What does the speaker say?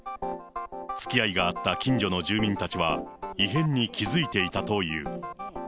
つきあいがあった近所の住民たちは、異変に気付いていたという。